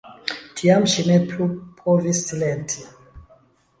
Tiam ŝi ne plu povis silenti.